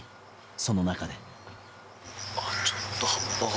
その中で。